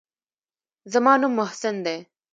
زما نوم محسن دى.